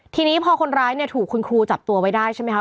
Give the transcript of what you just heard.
ทีนี้พอคนร้ายเนี่ยถูกคุณครูจับตัวไว้ได้ใช่ไหมคะ